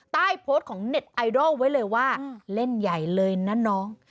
ใต้โพสต์ของเน็ตไอดอลไว้เลยว่าเล่นใหญ่เลยนะน้อง